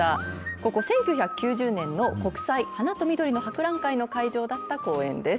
ここ、１９９０年の国際花と緑の博覧会の会場だった公園です。